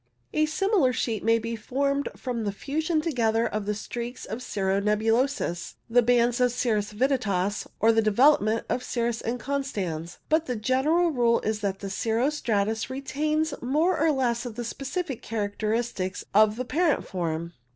A similar sheet may be formed from the fusion together of the streaks of cirrus nebulosus, the bands of cirrus vittatus, or the development of cirrus 45 46 CIRRO STRATUS AND CIRRO CUMULUS inconstans. But the general rule is that the cirro stratus retains more or less of the specific characters of the parent form.